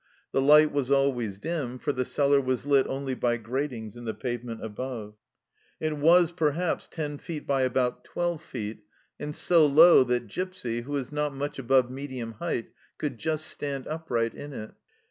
The light was always dim, for the cellar was lit only by gratings in the pavement above. It was, perhaps, ten feet by about twelve feet, and so low that Gipsy, who is not much above medium height, could just stand upright in it.